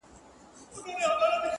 ته مې څاله ګرموې زه خپله ګرم يم